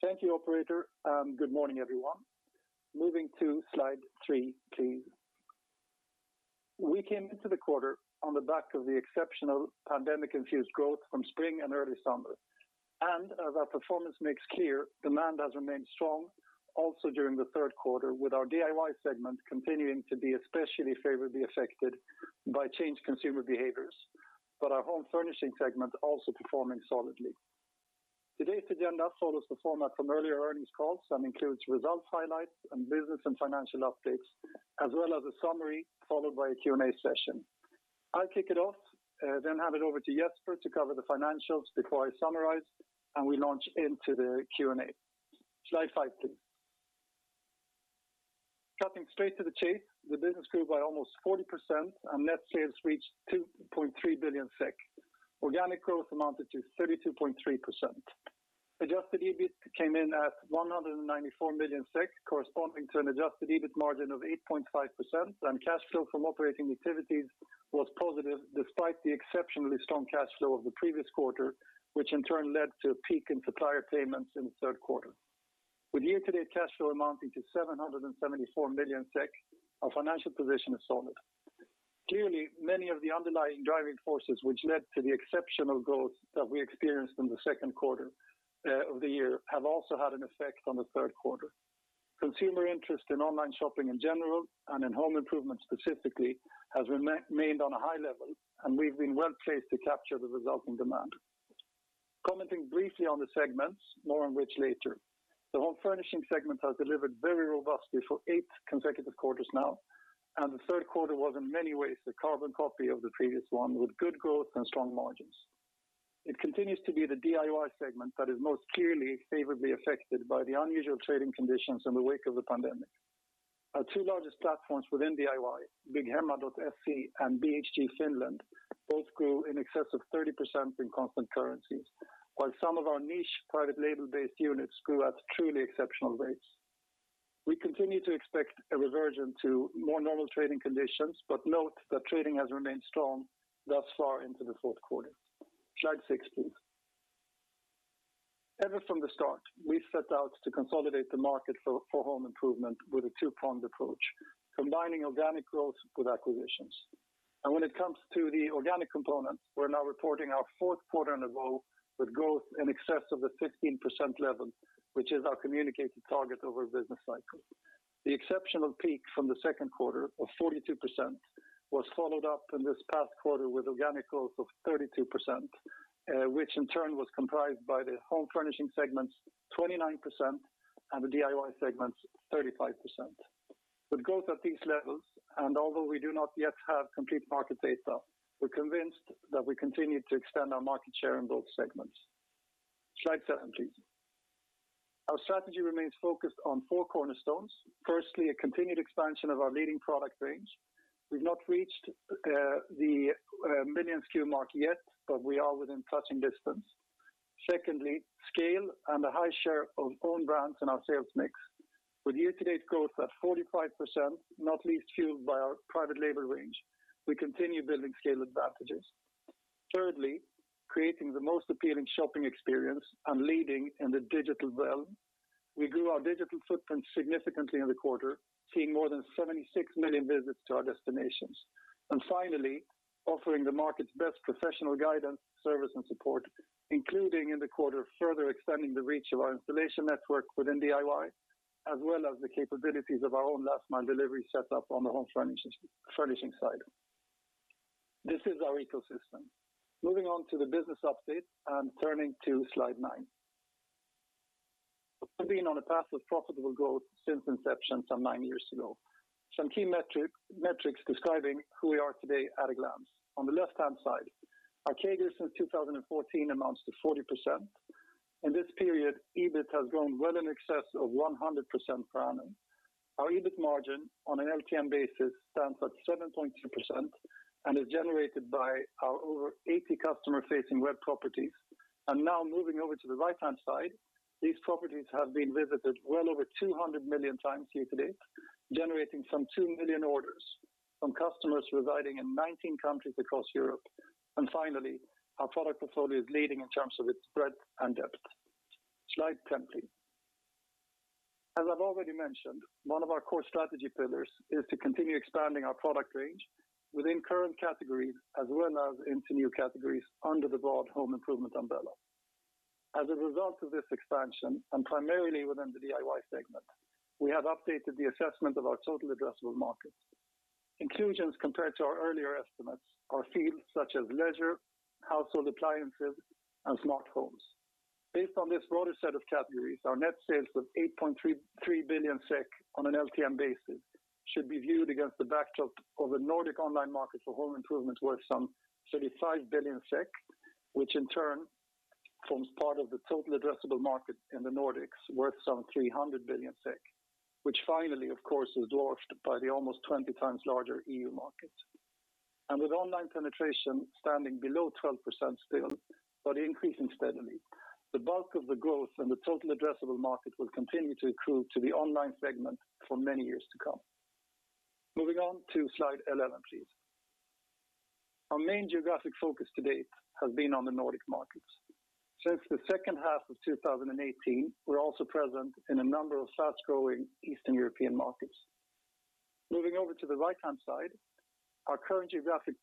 Thank you operator. Good morning everyone. Moving to slide three, please. We came into the quarter on the back of the exceptional pandemic-infused growth from spring and early summer. As our performance makes clear, demand has remained strong also during the third quarter, with our DIY segment continuing to be especially favorably affected by changed consumer behaviors, but our Home Furnishing segment also performing solidly. Today's agenda follows the format from earlier earnings calls and includes results highlights and business and financial updates, as well as a summary followed by a Q&A session. I'll kick it off, then hand it over to Jesper to cover the financials before I summarize and we launch into the Q and A. Slide five, please. Cutting straight to the chase, the business grew by almost 40% and net sales reached 2.3 billion SEK. Organic growth amounted to 32.3%. Adjusted EBIT came in at 194 million SEK, corresponding to an adjusted EBIT margin of 8.5%, and cash flow from operating activities was positive despite the exceptionally strong cash flow of the previous quarter, which in turn led to a peak in supplier payments in the third quarter. With year-to-date cash flow amounting to 774 million SEK, our financial position is solid. Clearly, many of the underlying driving forces which led to the exceptional growth that we experienced in the second quarter of the year have also had an effect on the third quarter. Consumer interest in online shopping in general, and in home improvement specifically, has remained on a high level, and we've been well-placed to capture the resulting demand. Commenting briefly on the segments, more on which later. The Home Furnishing segment has delivered very robustly for 8 consecutive quarters now, and the third quarter was in many ways the carbon copy of the previous one, with good growth and strong margins. It continues to be the DIY segment that is most clearly favorably affected by the unusual trading conditions in the wake of the pandemic. Our two largest platforms within DIY, bygghemma.se and BHG Finland, both grew in excess of 30% in constant currencies, while some of our niche private label-based units grew at truly exceptional rates. We continue to expect a reversion to more normal trading conditions, note that trading has remained strong thus far into the fourth quarter. Slide six, please. Ever from the start, we set out to consolidate the market for home improvement with a two-pronged approach, combining organic growth with acquisitions. When it comes to the organic component, we're now reporting our fourth quarter in a row with growth in excess of the 15% level, which is our communicated target over a business cycle. The exceptional peak from the second quarter of 42% was followed up in this past quarter with organic growth of 32%, which in turn was comprised by the Home Furnishing segment's 29% and the DIY segment's 35%. With growth at these levels, and although we do not yet have complete market data, we're convinced that we continue to extend our market share in both segments. Slide seven, please. Our strategy remains focused on four cornerstones. Firstly, a continued expansion of our leading product range. We've not reached the million SKU mark yet, but we are within touching distance. Secondly, scale and a high share of own brands in our sales mix. With year-to-date growth at 45%, not least fueled by our private label range, we continue building scale advantages. Thirdly, creating the most appealing shopping experience and leading in the digital realm. We grew our digital footprint significantly in the quarter, seeing more than 76 million visits to our destinations. Finally, offering the market's best professional guidance, service, and support, including in the quarter further extending the reach of our installation network within DIY, as well as the capabilities of our own last mile delivery set up on the Home Furnishing side. This is our ecosystem. Moving on to the business update and turning to slide nine. We've been on a path of profitable growth since inception some nine years ago. Some key metrics describing who we are today at a glance. On the left-hand side, our CAGR since 2014 amounts to 40%. In this period, EBIT has grown well in excess of 100% per annum. Our EBIT margin on an LTM basis stands at 7.2% and is generated by our over 80 customer-facing web properties. Now moving over to the right-hand side, these properties have been visited well over 200 million times year to date, generating some two million orders from customers residing in 19 countries across Europe. Finally, our product portfolio is leading in terms of its breadth and depth. Slide 10, please. As I've already mentioned, one of our core strategy pillars is to continue expanding our product range within current categories as well as into new categories under the broad home improvement umbrella. As a result of this expansion, and primarily within the DIY segment, we have updated the assessment of our total addressable market. Inclusions compared to our earlier estimates are fields such as leisure, household appliances, and smart homes. Based on this broader set of categories, our net sales of 8.3 billion SEK on an LTM basis should be viewed against the backdrop of a Nordic online market for home improvement worth some 35 billion SEK, which in turn forms part of the total addressable market in the Nordics worth some 300 billion. Which finally, of course, is dwarfed by the almost 20 times larger EU market. With online penetration standing below 12% still, but increasing steadily, the bulk of the growth in the total addressable market will continue to accrue to the online segment for many years to come. Moving on to slide 11, please. Our main geographic focus to date has been on the Nordic markets. Since the second half of 2018, we're also present in a number of fast-growing Eastern European markets. Moving over to the right-hand side, our current geographic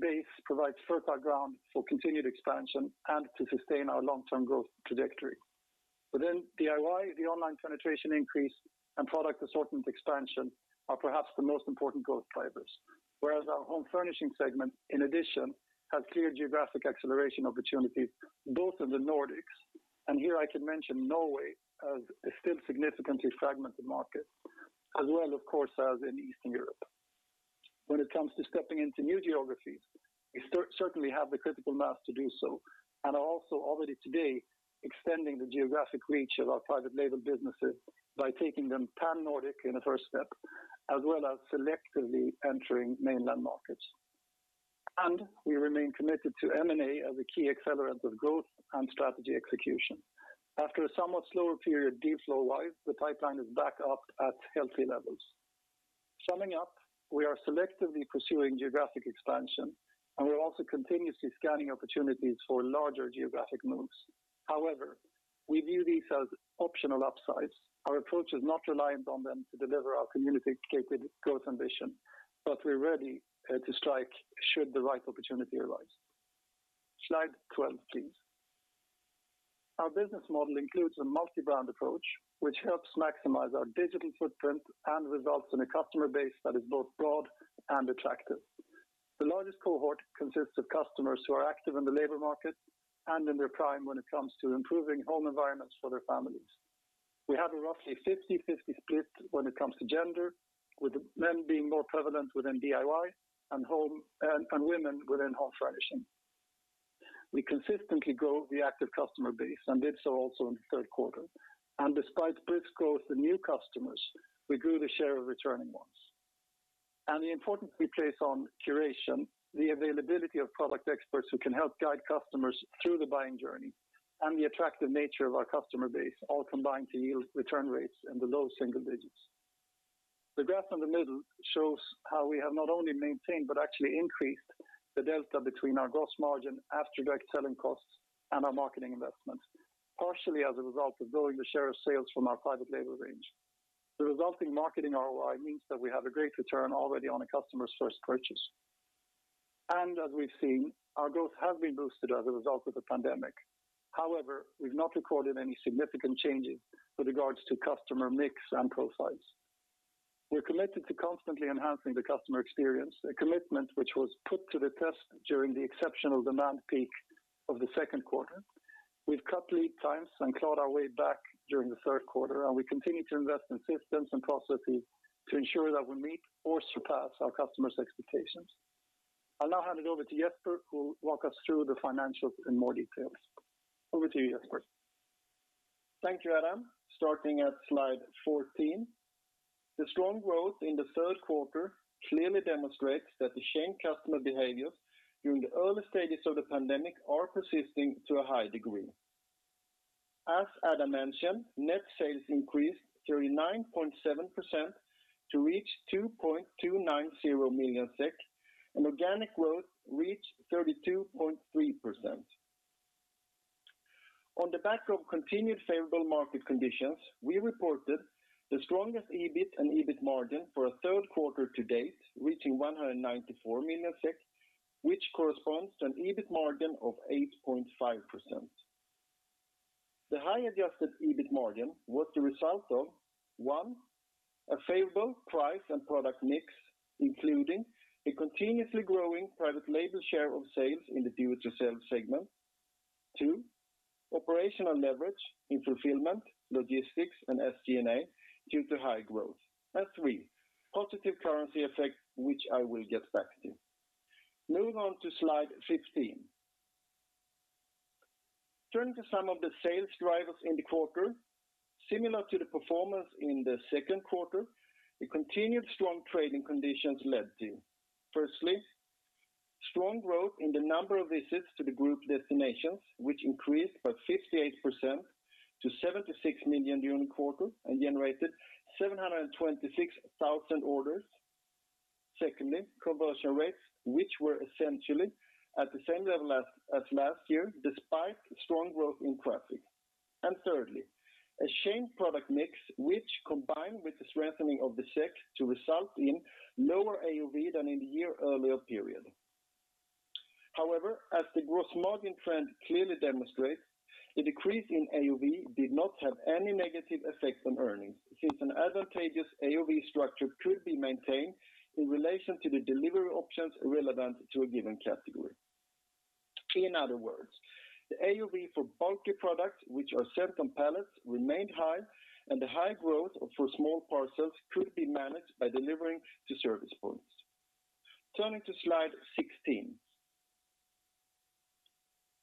base provides fertile ground for continued expansion and to sustain our long-term growth trajectory. Within DIY, the online penetration increase and product assortment expansion are perhaps the most important growth drivers, whereas our Home Furnishing segment, in addition, has clear geographic acceleration opportunities both in the Nordics, and here I can mention Norway as a still significantly fragmented market, as well, of course, as in Eastern Europe. When it comes to stepping into new geographies, we certainly have the critical mass to do so and are also already today extending the geographic reach of our private label businesses by taking them pan-Nordic in the first step, as well as selectively entering mainland markets. We remain committed to M&A as a key accelerant of growth and strategy execution. After a somewhat slower period deal flow-wise, the pipeline is back up at healthy levels. Summing up, we are selectively pursuing geographic expansion, and we're also continuously scanning opportunities for larger geographic moves. However, we view these as optional upsides. Our approach is not reliant on them to deliver our communicated growth ambition, but we're ready to strike should the right opportunity arise. Slide 12, please. Our business model includes a multi-brand approach, which helps maximize our digital footprint and results in a customer base that is both broad and attractive. The largest cohort consists of customers who are active in the labor market and in their prime when it comes to improving home environments for their families. We have a roughly 50/50 split when it comes to gender, with men being more prevalent within DIY and women within Home Furnishing. We consistently grow the active customer base, did so also in the third quarter. Despite brisk growth in new customers, we grew the share of returning ones. The importance we place on curation, the availability of product experts who can help guide customers through the buying journey, and the attractive nature of our customer base all combine to yield return rates in the low single digits. The graph in the middle shows how we have not only maintained but actually increased the delta between our gross margin after direct selling costs and our marketing investments, partially as a result of growing the share of sales from our private label range. The resulting marketing ROI means that we have a great return already on a customer's first purchase. As we've seen, our growth has been boosted as a result of the pandemic. However, we've not recorded any significant changes with regards to customer mix and profiles. We're committed to constantly enhancing the customer experience, a commitment which was put to the test during the exceptional demand peak of the second quarter. We've cut lead times and clawed our way back during the third quarter, and we continue to invest in systems and processes to ensure that we meet or surpass our customers' expectations. I'll now hand it over to Jesper, who will walk us through the financials in more details. Over to you, Jesper. Thank you, Adam. Starting at slide 14. The strong growth in the third quarter clearly demonstrates that the changed customer behaviors during the early stages of the pandemic are persisting to a high degree. As Adam mentioned, net sales increased 39.7% to reach 2,290 million SEK, and organic growth reached 32.3%. On the back of continued favorable market conditions, we reported the strongest EBIT and EBIT margin for a third quarter to date, reaching 194 million SEK, which corresponds to an EBIT margin of 8.5%. The high adjusted EBIT margin was the result of, one, a favorable price and product mix, including a continuously growing private label share of sales in the Do It Yourself segment. Two, operational leverage in fulfillment, logistics, and SG&A due to high growth. Three, positive currency effect, which I will get back to. Moving on to slide 15. Turning to some of the sales drivers in the quarter. Similar to the performance in the second quarter, the continued strong trading conditions led to, firstly, strong growth in the number of visits to the Group destinations, which increased by 58% to 76 million during the quarter and generated 726,000 orders. Secondly, conversion rates, which were essentially at the same level as last year, despite strong growth in traffic. Thirdly, a changed product mix, which combined with the strengthening of the SEK to result in lower AOV than in the year earlier period. However, as the gross margin trend clearly demonstrates, the decrease in AOV did not have any negative effect on earnings, since an advantageous AOV structure could be maintained in relation to the delivery options relevant to a given category. In other words, the AOV for bulky products, which are sent on pallets, remained high, and the high growth for small parcels could be managed by delivering to service points. Turning to slide 16.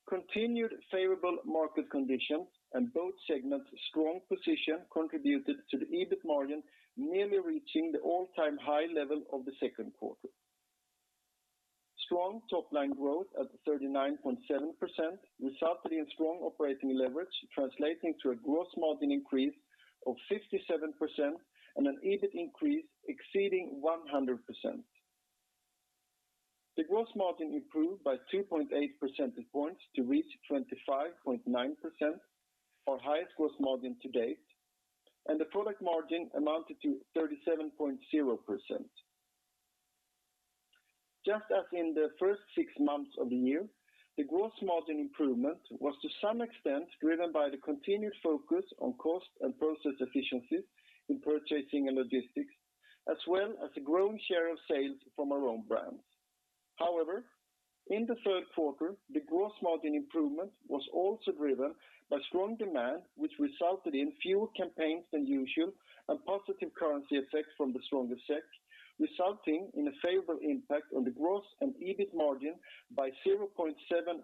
Continued favorable market conditions and both segments' strong position contributed to the EBIT margin nearly reaching the all-time high level of the second quarter. Strong top-line growth at 39.7% resulted in strong operating leverage, translating to a gross margin increase of 57% and an EBIT increase exceeding 100%. The gross margin improved by 2.8 percentage points to reach 25.9%, our highest gross margin to date, and the product margin amounted to 37.0%. Just as in the first six months of the year, the gross margin improvement was to some extent driven by the continued focus on cost and process efficiencies in purchasing and logistics, as well as a growing share of sales from our own brands. However, in the third quarter, the gross margin improvement was also driven by strong demand, which resulted in fewer campaigns than usual and positive currency effects from the stronger SEK, resulting in a favorable impact on the gross and EBIT margin by 0.7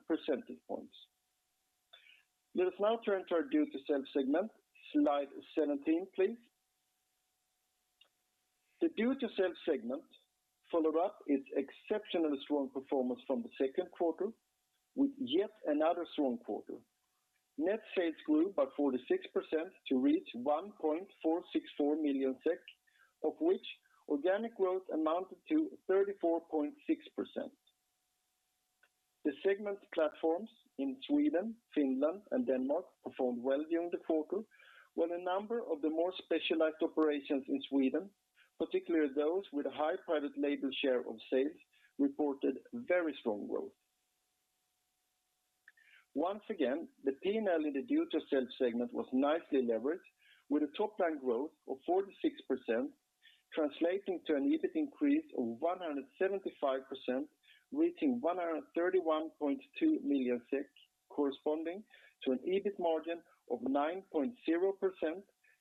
percentage points. Let us now turn to our Do It Yourself segment. Slide 17, please. The Do It Yourself segment followed up its exceptionally strong performance from the second quarter with yet another strong quarter. Net sales grew by 46% to reach 1,464 million SEK, of which organic growth amounted to 34.6%. The segment platforms in Sweden, Finland, and Denmark performed well during the quarter, where a number of the more specialized operations in Sweden, particularly those with a high private label share of sales, reported very strong growth. Once again, the P&L in the Do It Yourself segment was nicely leveraged with a top-line growth of 46%, translating to an EBIT increase of 175%, reaching 131.2 million SEK, corresponding to an EBIT margin of 9.0%,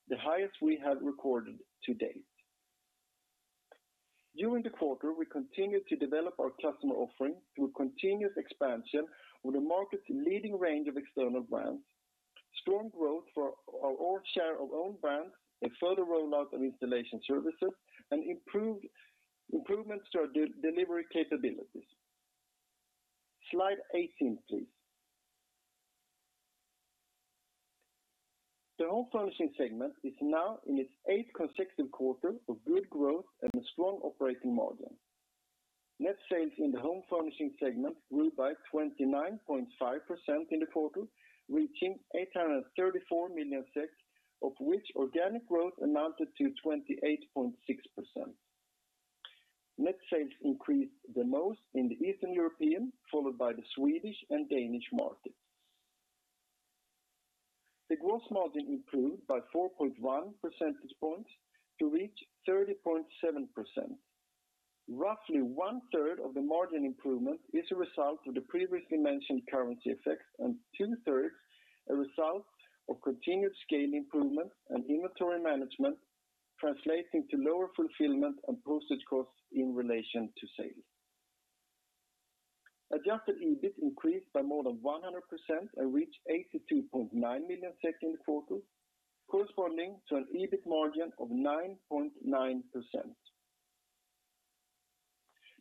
the highest we have recorded to date. During the quarter, we continued to develop our customer offering through a continuous expansion with a market-leading range of external brands, strong growth for our share of own brands and further rollout and installation services, and improvements to our delivery capabilities. Slide 18, please. The Home Furnishing segment is now in its eighth consecutive quarter of good growth and a strong operating margin. Net sales in the Home Furnishing segment grew by 29.5% in the quarter, reaching 834 million, of which organic growth amounted to 28.6%. Net sales increased the most in the Eastern European, followed by the Swedish and Danish markets. The gross margin improved by 4.1 percentage points to reach 30.7%. Roughly one-third of the margin improvement is a result of the previously mentioned currency effects and two-thirds a result of continued scale improvements and inventory management, translating to lower fulfillment and postage costs in relation to sales. Adjusted EBIT increased by more than 100% and reached 82.9 million in the quarter, corresponding to an EBIT margin of 9.9%.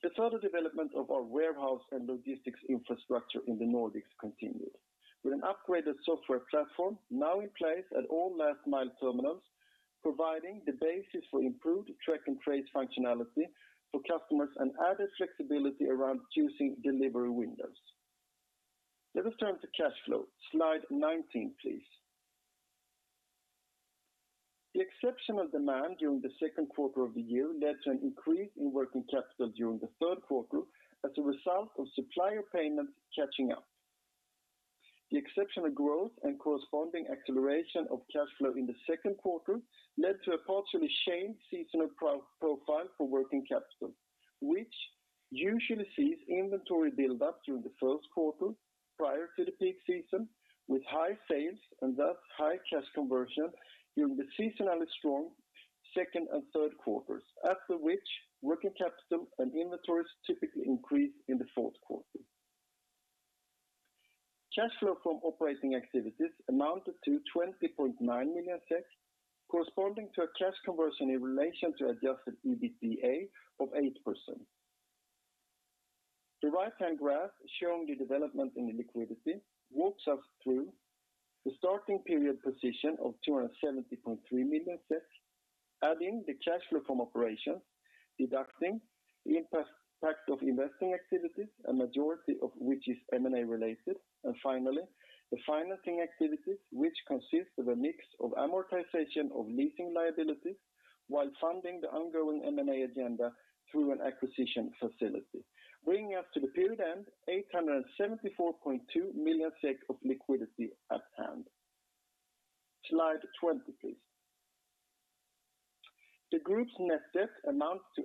The further development of our warehouse and logistics infrastructure in the Nordics continued, with an upgraded software platform now in place at all last-mile terminals, providing the basis for improved track and trace functionality for customers and added flexibility around choosing delivery windows. Let us turn to cash flow. Slide 19, please. The exceptional demand during the second quarter of the year led to an increase in working capital during the third quarter as a result of supplier payments catching up. The exceptional growth and corresponding acceleration of cash flow in the second quarter led to a partially changed seasonal profile for working capital, which usually sees inventory build-up during the first quarter prior to the peak season, with high sales and thus high cash conversion during the seasonally strong second and third quarters, after which working capital and inventories typically increase in the fourth quarter. Cash flow from operating activities amounted to 20.9 million, corresponding to a cash conversion in relation to adjusted EBITDA of 8%. The right-hand graph showing the development in the liquidity walks us through the starting period position of 270.3 million, adding the cash flow from operations, deducting the impact of investing activities and majority of which is M&A related, and finally, the financing activities which consist of a mix of amortization of leasing liabilities while funding the ongoing M&A agenda through an acquisition facility, bringing us to the period end 874.2 million SEK of liquidity at hand. Slide 20, please. The group's net debt amounts to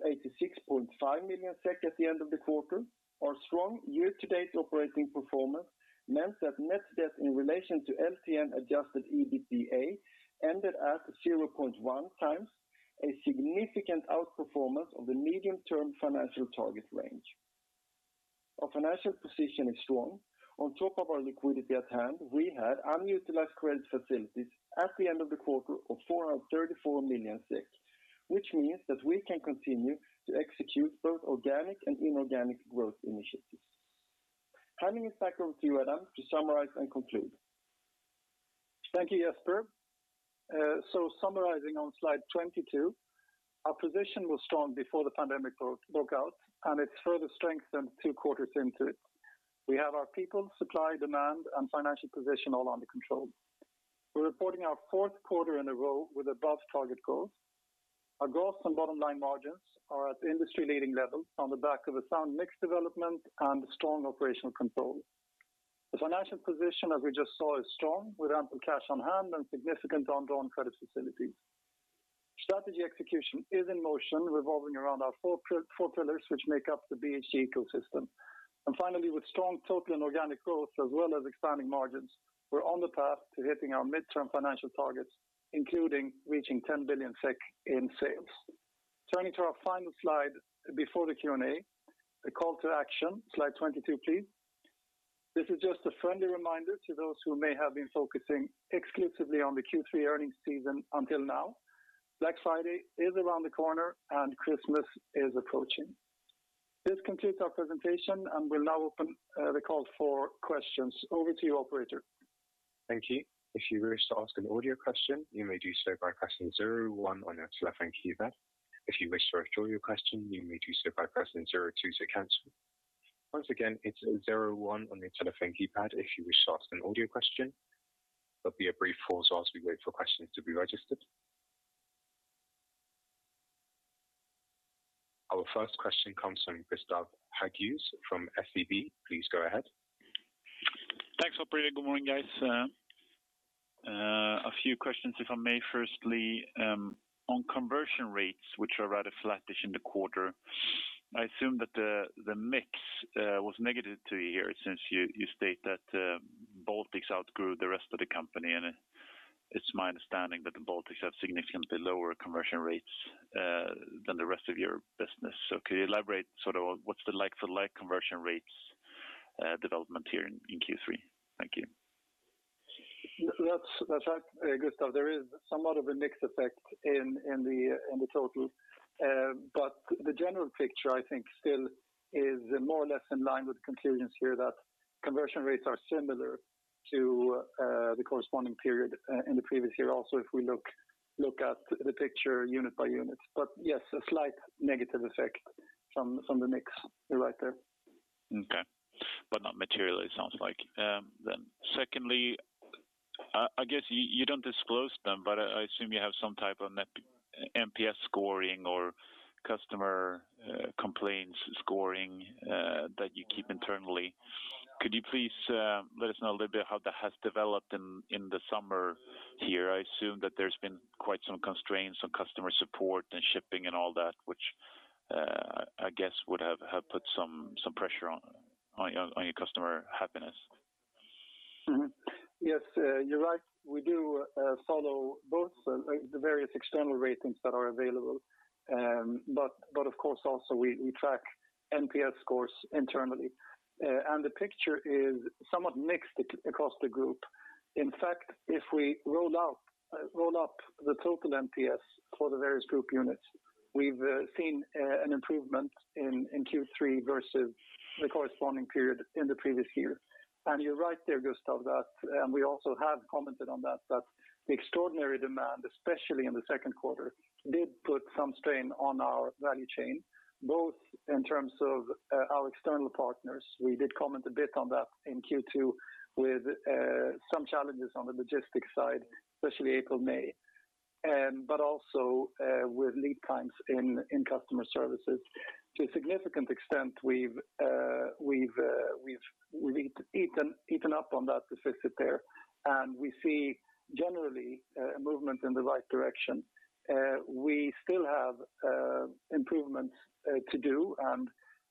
86.5 million SEK at the end of the quarter. Our strong year-to-date operating performance meant that net debt in relation to LTM adjusted EBITDA ended at 0.1 times, a significant outperformance of the medium-term financial target range. Our financial position is strong. On top of our liquidity at hand, we had unutilized credit facilities at the end of the quarter of 434 million, which means that we can continue to execute both organic and inorganic growth initiatives. Handing it back over to you, Adam, to summarize and conclude. Thank you, Jesper. Summarizing on slide 22, our position was strong before the pandemic broke out, and it's further strengthened two quarters into it. We have our people, supply, demand, and financial position all under control. We're reporting our fourth quarter in a row with above-target growth. Our gross and bottom line margins are at industry-leading levels on the back of a sound mix development and strong operational control. The financial position, as we just saw, is strong, with ample cash on hand and significant undrawn credit facilities. Strategy execution is in motion, revolving around our four pillars, which make up the BHG ecosystem. Finally, with strong total and organic growth, as well as expanding margins, we're on the path to hitting our midterm financial targets, including reaching 10 billion SEK in sales. Turning to our final slide before the Q&A, the call to action, slide 22, please. This is just a friendly reminder to those who may have been focusing exclusively on the Q3 earnings season until now. Black Friday is around the corner, and Christmas is approaching. This concludes our presentation, and we'll now open the call for questions. Over to you, operator. There'll be a brief pause as we wait for questions to be registered. Our first question comes from Gustav Hagéus from SEB. Please go ahead. Thanks, operator. Good morning, guys. A few questions, if I may. Firstly, on conversion rates, which are rather flattish in the quarter, I assume that the mix was negative to you here since you state that Baltics outgrew the rest of the company, and it's my understanding that the Baltics have significantly lower conversion rates than the rest of your business. Could you elaborate sort of what's the like for like conversion rates development here in Q3? Thank you. That's right, Gustav. There is somewhat of a mix effect in the total. The general picture, I think, still is more or less in line with the conclusions here that conversion rates are similar to the corresponding period in the previous year also, if we look at the picture unit by unit. Yes, a slight negative effect from the mix. You're right there. Okay. Not material, it sounds like. Secondly, I guess you don't disclose them, but I assume you have some type of NPS scoring or customer complaints scoring that you keep internally. Could you please let us know a little bit how that has developed in the summer here? I assume that there's been quite some constraints on customer support and shipping and all that, which, I guess would have put some pressure on your customer happiness. Mm-hmm. Yes, you're right. We do follow both the various external ratings that are available. Of course also we track NPS scores internally, and the picture is somewhat mixed across the group. In fact, if we roll up the total NPS for the various group units, we've seen an improvement in Q3 versus the corresponding period in the previous year. You're right there, Gustav, that we also have commented on that the extraordinary demand, especially in the second quarter, did put some strain on our value chain, both in terms of our external partners. We did comment a bit on that in Q2 with some challenges on the logistics side, especially April, May, but also with lead times in customer services. To a significant extent, we've eaten up on that deficit there, and we see generally a movement in the right direction. We still have improvements to do.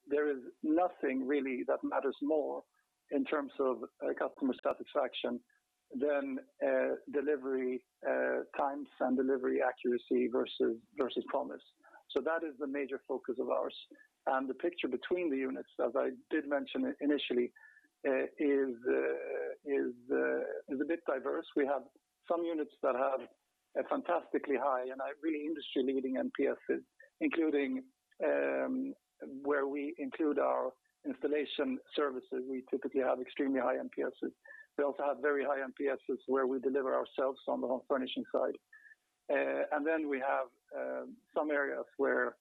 There is nothing really that matters more in terms of customer satisfaction than delivery times and delivery accuracy versus promise. That is the major focus of ours. The picture between the units, as I did mention initially, is a bit diverse. We have some units that have a fantastically high and really industry-leading NPSs, including where we include our installation services. We typically have extremely high NPSs. We also have very high NPSs where we deliver ourselves on the Home Furnishing side. We have some areas where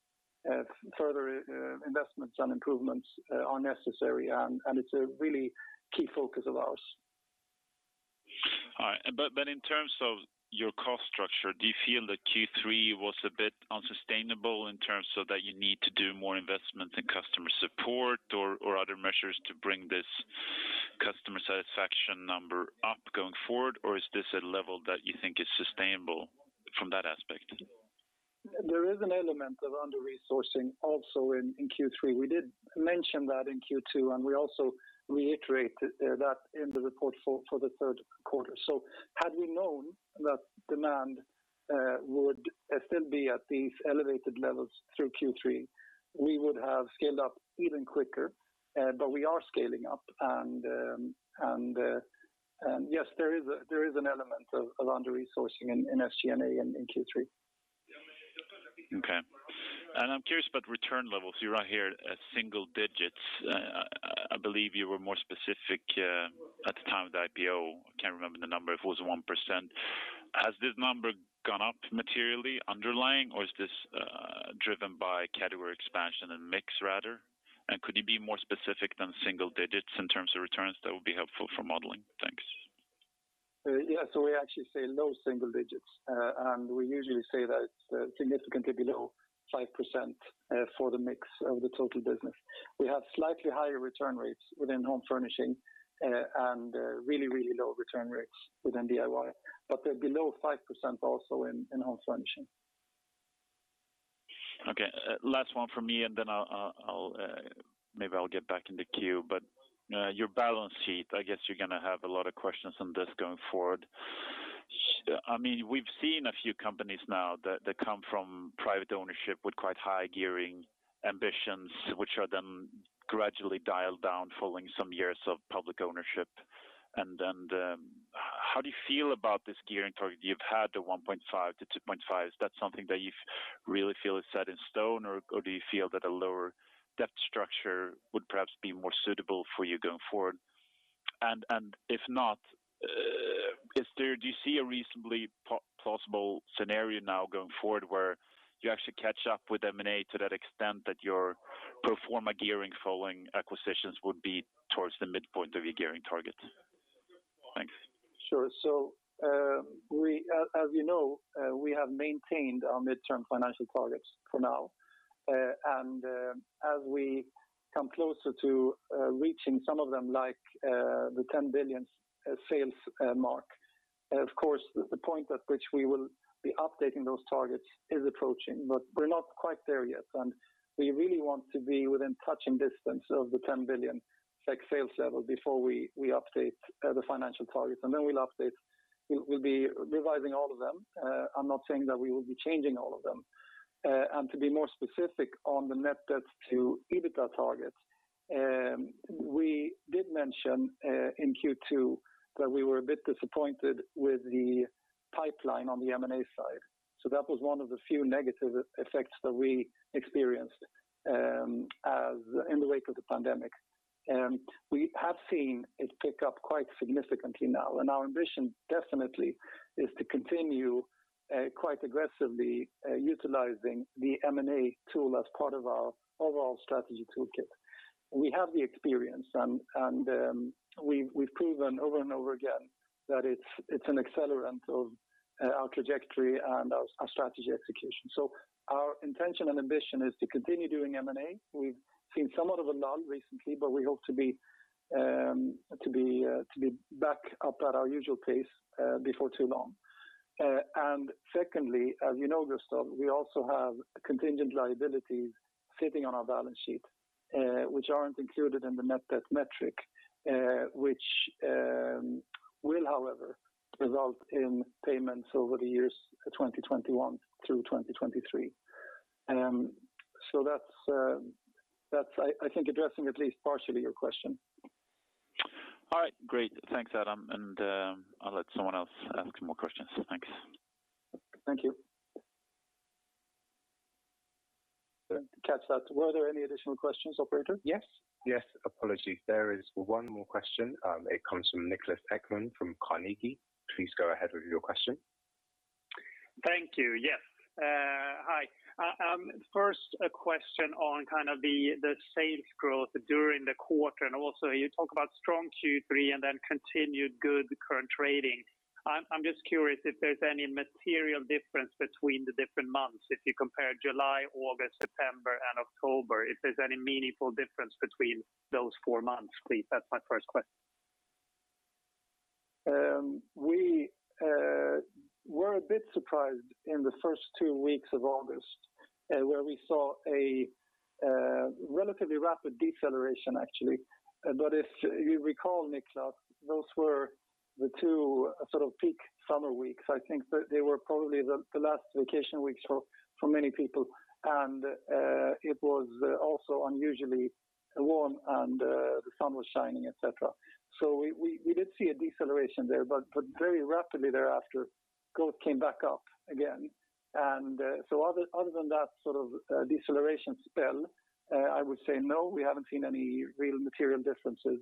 further investments and improvements are necessary, and it's a really key focus of ours. All right. In terms of your cost structure, do you feel that Q3 was a bit unsustainable in terms of that you need to do more investment in customer support or other measures to bring this customer satisfaction number up going forward? Is this a level that you think is sustainable from that aspect? There is an element of under-resourcing also in Q3. We did mention that in Q2, and we also reiterated that in the report for the third quarter. Had we known that demand would still be at these elevated levels through Q3, we would have scaled up even quicker. We are scaling up, and yes, there is an element of under-resourcing in SG&A in Q3. Okay. I'm curious about return levels. You're right here at single digits. I believe you were more specific at the time of the IPO. I can't remember the number. If it was 1%. Has this number gone up materially underlying or is this driven by category expansion and mix rather? Could you be more specific than single digits in terms of returns? That would be helpful for modeling. Thanks. Yeah. We actually say low single digits. We usually say that it's significantly below 5% for the mix of the total business. We have slightly higher return rates within Home Furnishing and really low return rates within DIY, but they're below 5% also in Home Furnishing. Okay, last one from me, and then maybe I'll get back in the queue. Your balance sheet, I guess you are going to have a lot of questions on this going forward. We have seen a few companies now that come from private ownership with quite high gearing ambitions, which are then gradually dialed down following some years of public ownership. How do you feel about this gearing target? You have had the 1.5-2.5. Is that something that you really feel is set in stone, or do you feel that a lower debt structure would perhaps be more suitable for you going forward? If not, do you see a reasonably plausible scenario now going forward where you actually catch up with M&A to that extent that your pro forma gearing following acquisitions would be towards the midpoint of your gearing target? Thanks. Sure. As you know, we have maintained our midterm financial targets for now. As we come closer to reaching some of them, like the 10 billion sales mark, of course, the point at which we will be updating those targets is approaching. We're not quite there yet, and we really want to be within touching distance of the 10 billion sales level before we update the financial targets, and then we'll update. We'll be revising all of them. I'm not saying that we will be changing all of them. To be more specific on the net debts to EBITDA targets, we did mention in Q2 that we were a bit disappointed with the pipeline on the M&A side. That was one of the few negative effects that we experienced in the wake of the pandemic. We have seen it pick up quite significantly now. Our ambition definitely is to continue quite aggressively utilizing the M&A tool as part of our overall strategy toolkit. We have the experience. We've proven over and over again that it's an accelerant of our trajectory and our strategy execution. Our intention and ambition is to continue doing M&A. We've seen somewhat of a lull recently. We hope to be back up at our usual pace before too long. Secondly, as you know, Gustav, we also have contingent liabilities sitting on our balance sheet which aren't included in the net debt metric, which will, however, result in payments over the years 2021 through 2023. That's, I think, addressing at least partially your question. All right. Great. Thanks, Adam. I'll let someone else ask more questions. Thanks. Thank you. Thanks, Gustav. Were there any additional questions, operator? Yes. Apologies. There is one more question. It comes from Niklas Ekman from Carnegie. Please go ahead with your question. Thank you. Yes. Hi. First, a question on kind of the sales growth during the quarter, and also you talk about strong Q3 and then continued good current trading. I'm just curious if there's any material difference between the different months. If you compare July, August, September, and October, if there's any meaningful difference between those four months, please? That's my first question. We were a bit surprised in the first two weeks of August, where we saw a relatively rapid deceleration, actually. If you recall, Niklas, those were the two sort of peak summer weeks. I think they were probably the last vacation weeks for many people, and it was also unusually warm, and the sun was shining, et cetera. We did see a deceleration there, but very rapidly thereafter, growth came back up again. Other than that sort of deceleration spell, I would say no, we haven't seen any real material differences.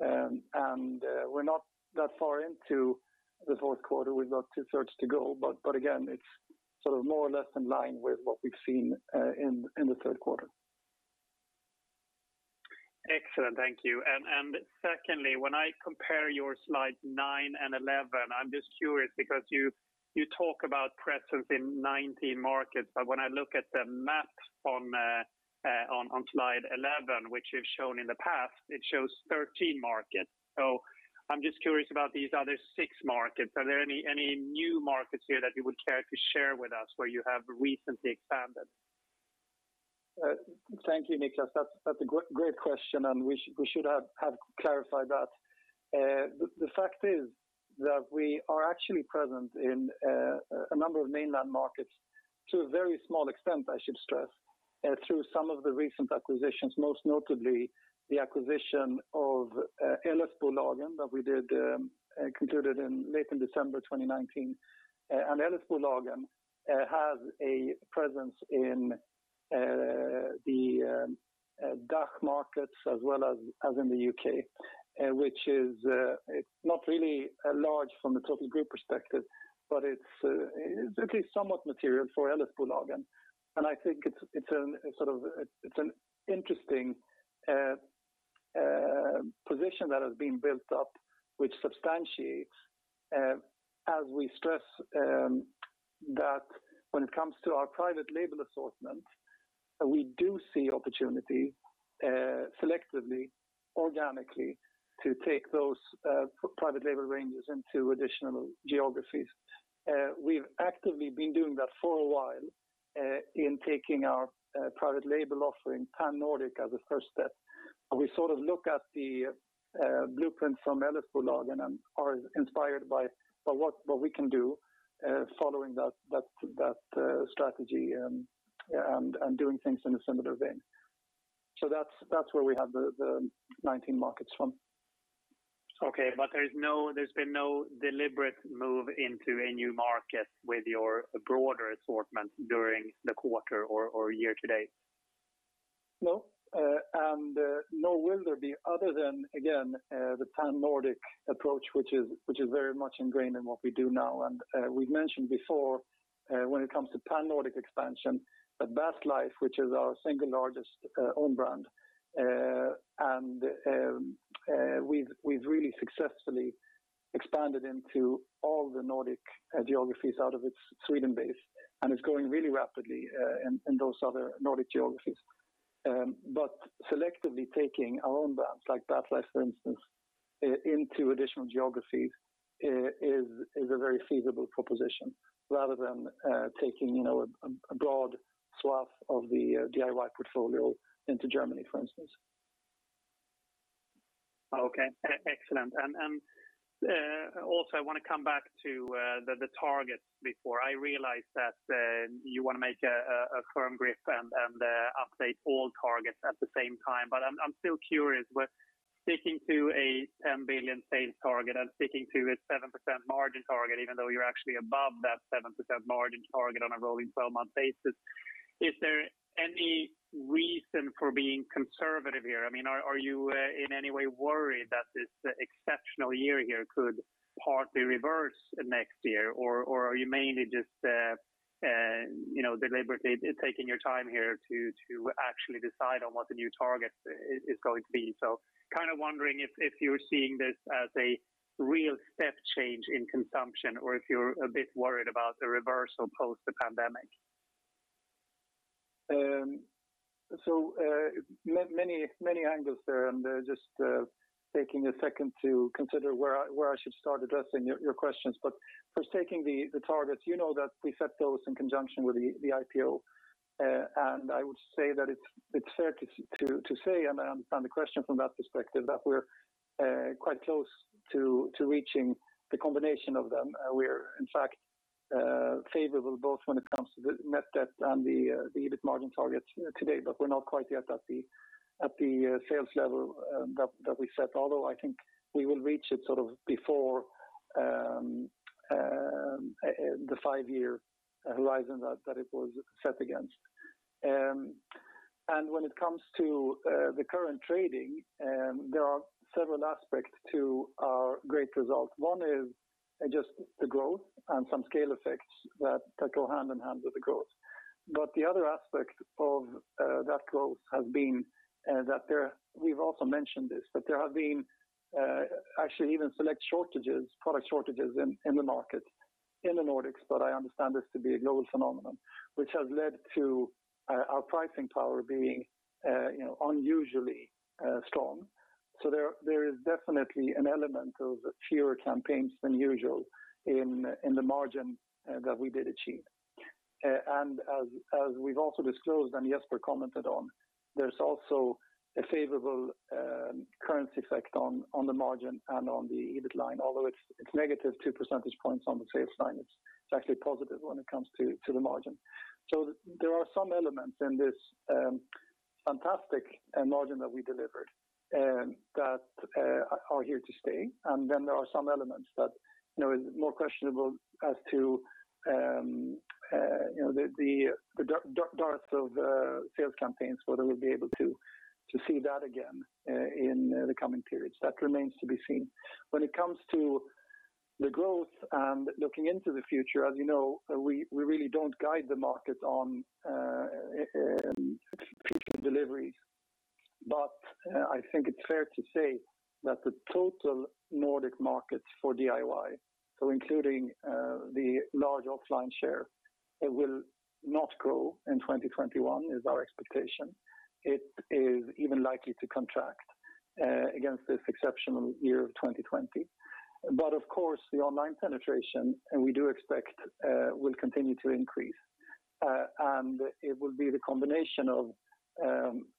We're not that far into the fourth quarter. We've got two thirds to go, but again, it's sort of more or less in line with what we've seen in the third quarter. Excellent. Thank you. Secondly, when I compare your slide nine and 11, I'm just curious because you talk about presence in 19 markets. When I look at the map on slide 11, which you've shown in the past, it shows 13 markets. I'm just curious about these other six markets. Are there any new markets here that you would care to share with us where you have recently expanded? Thank you, Niklas. That's a great question, and we should have clarified that. The fact is that we are actually present in a number of mainland markets to a very small extent, I should stress. Through some of the recent acquisitions, most notably the acquisition of Ellis Bolagen that we concluded late in December 2019. Ellis Bolagen has a presence in the DACH markets as well as in the U.K., which is not really large from the total group perspective, but it's at least somewhat material for Ellis Bolagen. I think it's an interesting position that has been built up, which substantiates as we stress that when it comes to our private label assortment, we do see opportunity selectively, organically to take those private label ranges into additional geographies. We've actively been doing that for a while in taking our private label offering pan-Nordic as a first step. We look at the blueprint from Ellis Bolagen and are inspired by what we can do following that strategy and doing things in a similar vein. That's where we have the 19 markets from. Okay, there's been no deliberate move into a new market with your broader assortment during the quarter or year to date? No, nor will there be other than, again, the pan-Nordic approach, which is very much ingrained in what we do now. We've mentioned before when it comes to pan-Nordic expansion, Bathlife, which is our second largest own brand, we've really successfully expanded into all the Nordic geographies out of its Sweden base, it's growing really rapidly in those other Nordic geographies. Selectively taking our own brands, like Bathlife, for instance, into additional geographies is a very feasible proposition rather than taking a broad swath of the DIY portfolio into Germany, for instance. Okay, excellent. Also, I want to come back to the targets before. I realize that you want to make a firm grip and update all targets at the same time. I'm still curious, we're sticking to a 10 billion sales target and sticking to a 7% margin target, even though you're actually above that 7% margin target on a rolling 12-month basis. Is there any reason for being conservative here? Are you in any way worried that this exceptional year here could partly reverse next year? Are you mainly just deliberately taking your time here to actually decide on what the new target is going to be? Kind of wondering if you're seeing this as a real step change in consumption, or if you're a bit worried about the reversal post the pandemic. Many angles there, just taking a second to consider where I should start addressing your questions. First, taking the targets, you know that we set those in conjunction with the IPO. I would say that it's fair to say, and I understand the question from that perspective, that we're quite close to reaching the combination of them. We're, in fact, favorable both when it comes to the net debt and the EBIT margin targets today, but we're not quite yet at the sales level that we set, although I think we will reach it before the five-year horizon that it was set against. When it comes to the current trading, there are several aspects to our great results. One is just the growth and some scale effects that go hand in hand with the growth. The other aspect of that growth has been that there, we've also mentioned this, but there have been actually even select shortages, product shortages in the market in the Nordics, but I understand this to be a global phenomenon, which has led to our pricing power being unusually strong. There is definitely an element of fewer campaigns than usual in the margin that we did achieve. As we've also disclosed and Jesper commented on, there's also a favorable currency effect on the margin and on the EBIT line, although it's negative two percentage points on the sales line, it's actually positive when it comes to the margin. There are some elements in this fantastic margin that we delivered that are here to stay. Then there are some elements that is more questionable as to the dearth of sales campaigns, whether we'll be able to see that again in the coming periods. That remains to be seen. When it comes to the growth and looking into the future, as you know, we really don't guide the markets on future deliveries. I think it's fair to say that the total Nordic markets for DIY, so including the large offline share, it will not grow in 2021, is our expectation. It is even likely to contract against this exceptional year of 2020. Of course, the online penetration, and we do expect, will continue to increase. It will be the combination of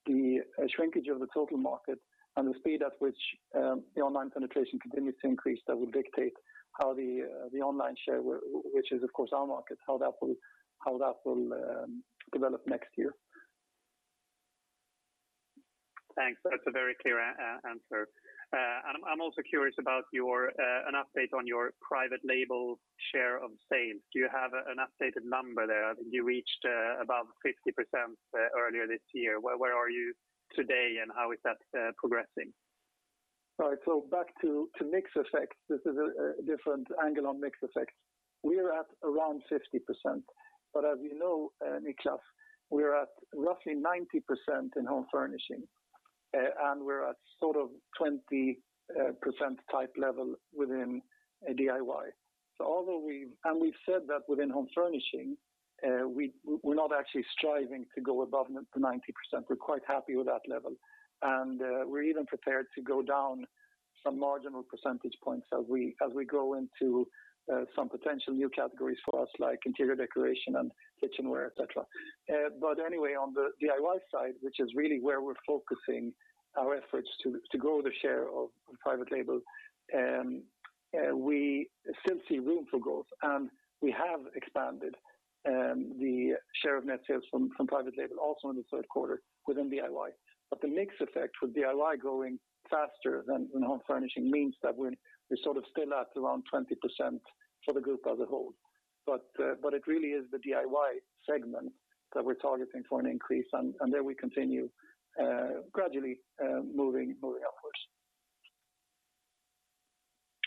the shrinkage of the total market and the speed at which the online penetration continues to increase, that will dictate how the online share, which is, of course, our market, how that will develop next year. Thanks. That's a very clear answer. I'm also curious about an update on your private label share of sales. Do you have an updated number there? I think you reached above 50% earlier this year. Where are you today, and how is that progressing? Right. Back to mix effects. This is a different angle on mix effects. We are at around 50%, but as you know, Niklas, we are at roughly 90% in Home Furnishing, and we're at sort of 20% type level within DIY. We've said that within Home Furnishing we're not actually striving to go above the 90%. We're quite happy with that level, and we're even prepared to go down some marginal percentage points as we go into some potential new categories for us, like interior decoration and kitchenware, et cetera. Anyway, on the DIY side, which is really where we're focusing our efforts to grow the share of private label, we still see room for growth. We have expanded the share of net sales from private label also in the third quarter within DIY. The mix effect with DIY growing faster than Home Furnishing means that we're still at around 20% for the group as a whole. It really is the DIY segment that we're targeting for an increase, and there we continue gradually moving upwards.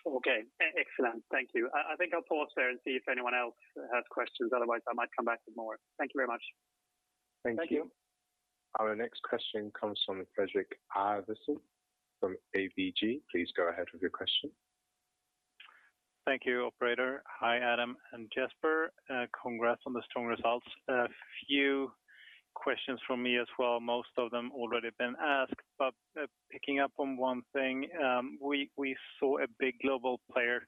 Okay. Excellent. Thank you. I think I'll pause there and see if anyone else has questions. Otherwise, I might come back with more. Thank you very much. Thank you. Thank you. Our next question comes from Fredrik Ivarsson from ABG. Please go ahead with your question. Thank you, operator. Hi, Adam and Jesper. Congrats on the strong results. A few questions from me as well. Most of them already have been asked, but picking up on one thing, we saw a big global player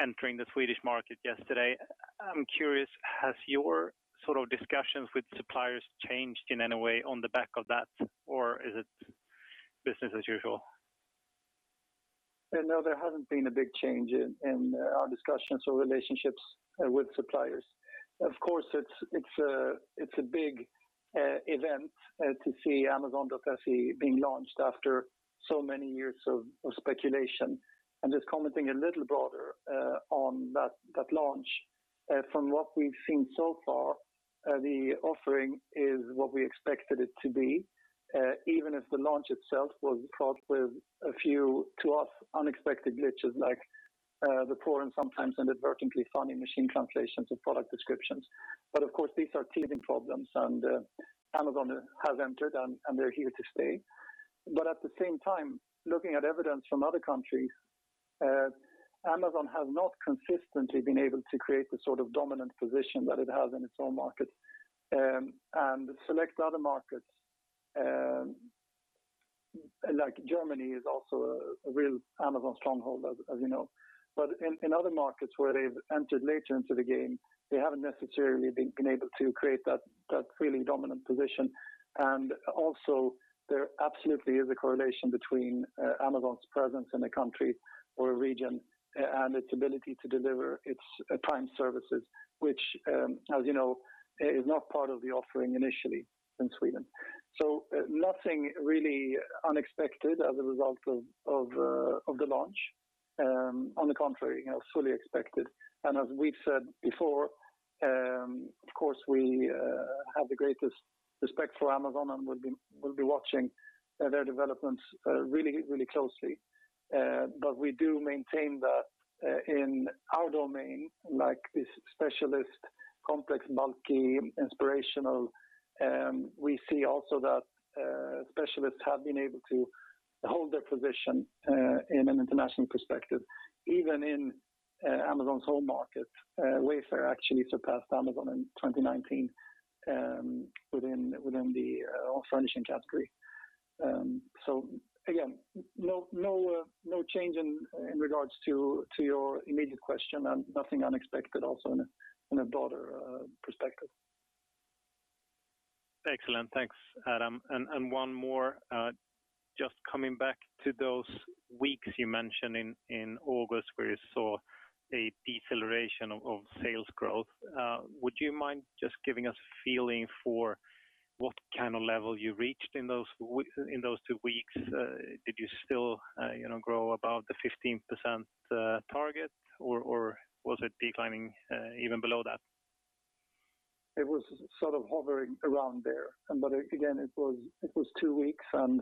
entering the Swedish market yesterday. I'm curious, has your sort of discussions with suppliers changed in any way on the back of that, or is it business as usual? There hasn't been a big change in our discussions or relationships with suppliers. Of course, it's a big event to see Amazon.se being launched after so many years of speculation, just commenting a little broader on that launch. From what we've seen so far, the offering is what we expected it to be even if the launch itself was fraught with a few, to us, unexpected glitches like the poor and sometimes inadvertently funny machine translations of product descriptions. Of course, these are teething problems, Amazon has entered and they're here to stay. At the same time, looking at evidence from other countries, Amazon has not consistently been able to create the sort of dominant position that it has in its own market and select other markets, like Germany is also a real Amazon stronghold, as you know. In other markets where they've entered later into the game, they haven't necessarily been able to create that really dominant position. Also, there absolutely is a correlation between Amazon's presence in a country or a region and its ability to deliver its Prime services, which, as you know, is not part of the offering initially in Sweden. Nothing really unexpected as a result of the launch. On the contrary, fully expected, and as we've said before, of course we have the greatest respect for Amazon and we'll be watching their developments really closely. We do maintain that in our domain, like this specialist, complex, bulky, inspirational, we see also that specialists have been able to hold their position in an international perspective, even in Amazon's home market. Wayfair actually surpassed Amazon in 2019 within the Home Furnishing category. Again, no change in regards to your immediate question and nothing unexpected also in a broader perspective. Excellent. Thanks, Adam. One more, just coming back to those weeks you mentioned in August where you saw a deceleration of sales growth. Would you mind just giving us a feeling for what kind of level you reached in those two weeks? Did you still grow above the 15% target, or was it declining even below that? It was sort of hovering around there. Again, it was two weeks and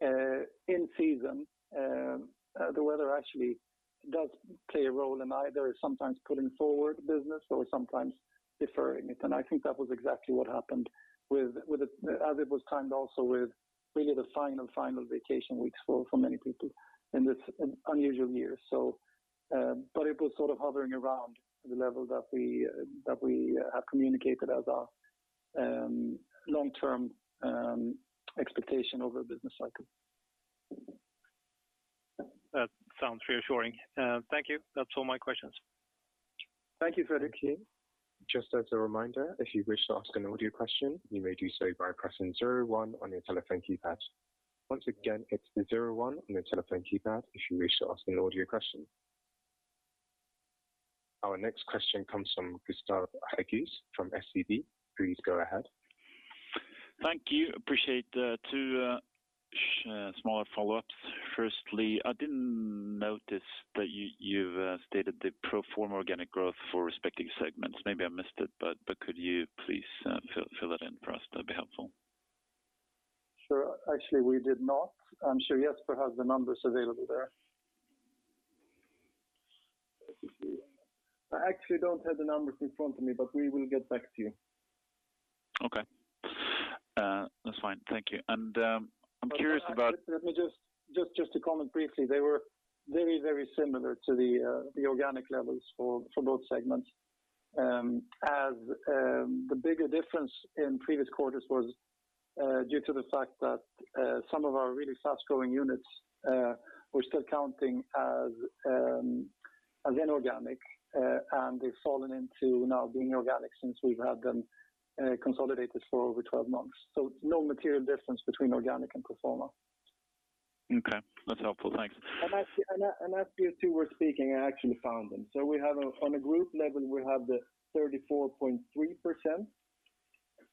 in season. The weather actually does play a role in either sometimes pulling forward business or sometimes deferring it, and I think that was exactly what happened as it was timed also with really the final vacation weeks for many people in this unusual year. It was sort of hovering around the level that we have communicated as our long-term expectation over the business cycle. That sounds reassuring. Thank you. That's all my questions. Thank you, Fredrik. Just as a reminder, if you wish to ask an audio question, you may do so by pressing 01 on your telephone keypad. Once again, it's the 01 on your telephone keypad if you wish to ask an audio question. Our next question comes from Gustav Hagéus from SEB. Please go ahead. Thank you. Appreciate that. Two smaller follow-ups. Firstly, I didn't notice that you've stated the pro forma organic growth for respective segments. Maybe I missed it, but could you please fill that in for us? That'd be helpful. Sure. Actually, we did not. I'm sure Jesper has the numbers available there. Let me see. I actually don't have the numbers in front of me, but we will get back to you. Okay. That's fine. Thank you. Let me just to comment briefly. They were very, very similar to the organic levels for both segments. The bigger difference in previous quarters was due to the fact that some of our really fast-growing units were still counting as inorganic, and they've fallen into now being organic since we've had them consolidated for over 12 months. No material difference between organic and pro forma. Okay. That's helpful. Thanks. As you two were speaking, I actually found them. On a group level, we have the 34.3%.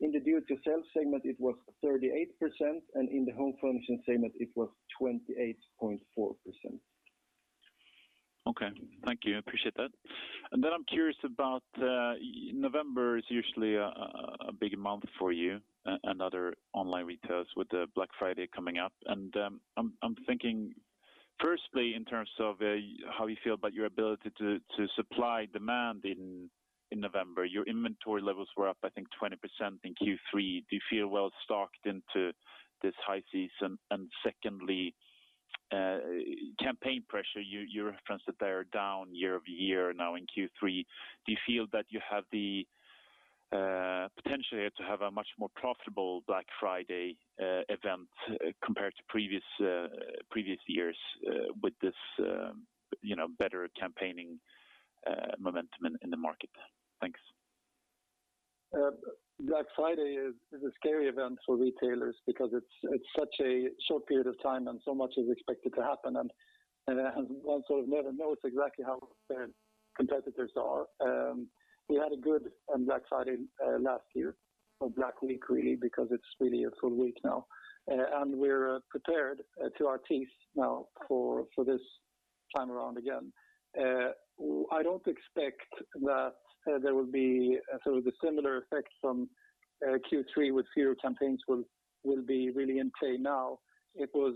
In the Do It Yourself segment, it was 38%, and in the Home Furnishing segment, it was 28.4%. Okay. Thank you. Appreciate that. I'm curious about November is usually a big month for you and other online retailers with the Black Friday coming up, and I'm thinking firstly in terms of how you feel about your ability to supply demand in November. Your inventory levels were up, I think, 20% in Q3. Do you feel well stocked into this high season? Secondly, campaign pressure, you referenced that they are down year-over-year now in Q3. Do you feel that you have the potential here to have a much more profitable Black Friday event compared to previous years with this better campaigning momentum in the market? Thanks. Black Friday is a scary event for retailers because it's such a short period of time and so much is expected to happen. One sort of never knows exactly how prepared competitors are. We had a good Black Friday last year, or Black Week really, because it's really a full week now. We're prepared to our teeth now for this time around again. I don't expect that there will be sort of the similar effects from Q3 with fewer campaigns will be really in play now. It was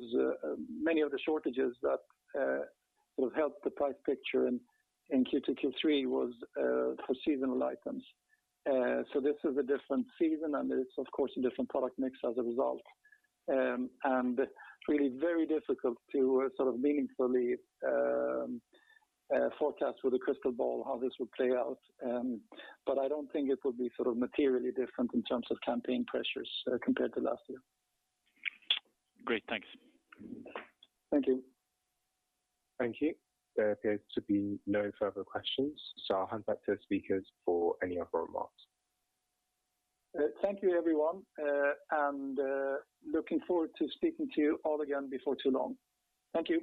many of the shortages that would help the price picture in Q2, Q3 was for seasonal items. This is a different season, and it's of course a different product mix as a result. Really very difficult to sort of meaningfully forecast with a crystal ball how this will play out. I don't think it will be sort of materially different in terms of campaign pressures compared to last year. Great. Thanks. Thank you. Thank you. There appears to be no further questions. I'll hand back to the speakers for any other remarks. Thank you, everyone, and looking forward to speaking to you all again before too long. Thank you.